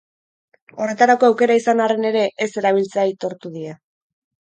Horretarako aukera izan arren ere, ez erabiltzea aitortu die.